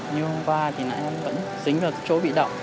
nhưng hôm qua thì em vẫn dính vào chỗ bị động